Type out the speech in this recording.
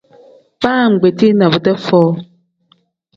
Baa ngbetii na bidee foo.